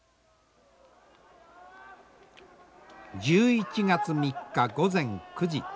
１１月３日午前９時。